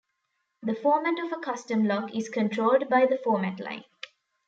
The format of a custom log is controlled by the format line.